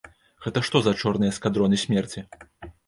Гэта што за чорныя эскадроны смерці?!